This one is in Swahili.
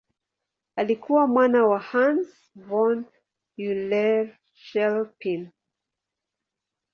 Alikuwa mwana wa Hans von Euler-Chelpin.